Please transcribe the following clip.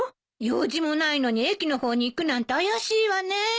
用事もないのに駅の方に行くなんて怪しいわね。